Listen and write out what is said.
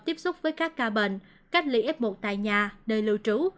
tiếp xúc với các ca bệnh cách lị ép một tại nhà nơi lưu trú